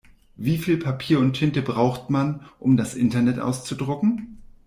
Wie viel Papier und Tinte braucht man, um das Internet auszudrucken?